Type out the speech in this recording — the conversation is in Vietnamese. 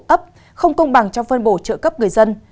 ấp không công bằng trong phân bổ trợ cấp người dân